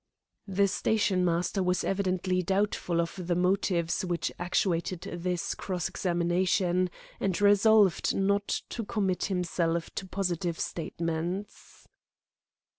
The stationmaster was evidently doubtful of the motives which actuated this cross examination, and resolved not to commit himself to positive statements.